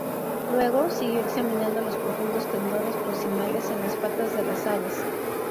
Luego, siguió examinando los profundos tendones proximales en las patas de las aves.